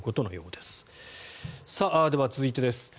では続いてです。